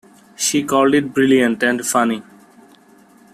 She called it "brilliant" and "funny".